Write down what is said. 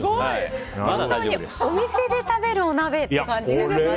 お店で食べるお鍋って感じですよね。